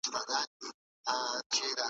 بې ګټي ارمانونه نه کېږي.